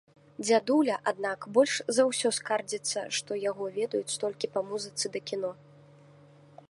Дзядуля, аднак, больш за ўсё скардзіцца, што яго ведаюць толькі па музыцы да кіно.